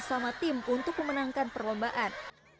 sama tim untuk memenangkan perlombaan